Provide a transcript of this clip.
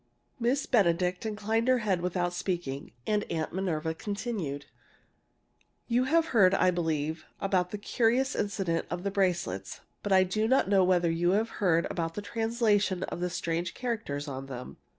Miss Benedict inclined her head without speaking, and Aunt Minerva continued: "You have heard, I believe, about the curious incident of the bracelets, but I do not know whether you have heard about the translation of the strange characters on them."